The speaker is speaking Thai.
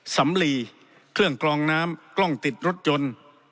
สำลีเครื่องกลองน้ำกล้องติดรถยนต์